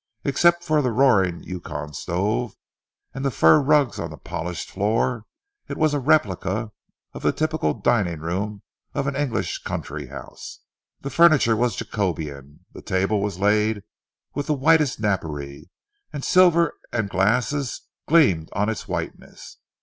Except for the roaring Yukon stove, and the fur rugs on the polished floor, it was a replica of the typical dining room of an English country house. The furniture was Jacobean, the table was laid with the whitest napery, and silver and glasses gleamed on its whiteness.